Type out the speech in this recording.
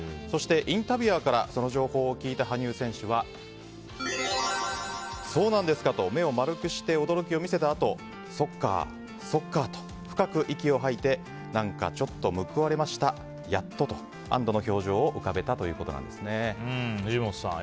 そしてインタビュアーからその情報を聞いた羽生選手はそうなんですかと目を丸くして驚きを見せたあとそっか、そっかと深く息を吐いて何かちょっと報われましたやっとと安堵の表情を浮かべたということです。